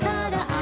「あ」